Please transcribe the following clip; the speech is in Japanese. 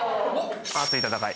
「熱い戦い」